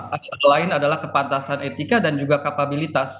antara lain adalah kepantasan etika dan juga kapabilitas